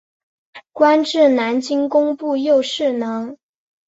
官至南京工部右侍郎。